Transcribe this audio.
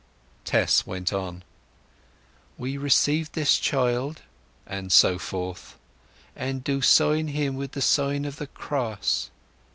Tess went on: "We receive this child"—and so forth—"and do sign him with the sign of the Cross."